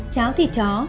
cháo thịt chó